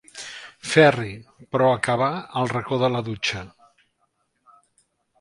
Ferri, però acabà al racó de la dutxa.